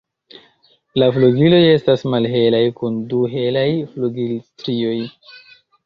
La flugiloj estas malhelaj kun du helaj flugilstrioj.